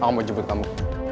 aku mau jemput kamu